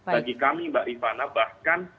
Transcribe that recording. bagi kami mbak rifana bahkan